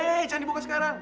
hei jangan dibuka sekarang